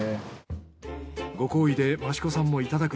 ご厚意で益子さんもいただく。